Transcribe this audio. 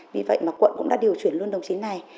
vì vậy mà quận cũng đã điều chuyển luôn đồng chí này